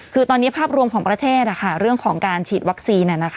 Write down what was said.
คือตอนนี้ภาพรวมของประเทศเรื่องของการฉีดวัคซีน